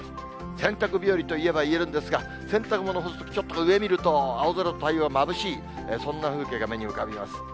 洗濯日和といえばいえるんですが、洗濯物干すとき、ちょっと上見ると、青空と太陽がまぶしい、そんな風景が目に浮かびます。